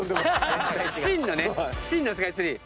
真のスカイツリー。